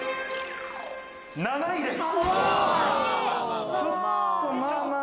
７位です。